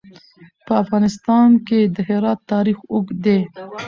په افغانستان کې د هرات تاریخ اوږد دی.